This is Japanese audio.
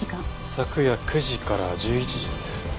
昨夜９時から１１時ですね。